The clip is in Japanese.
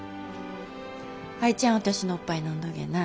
アイちゃん私のおっぱい飲んどげな。